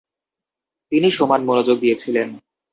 তিনি সমান মনোযোগ দিয়েছিলেন।